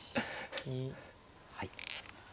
はい。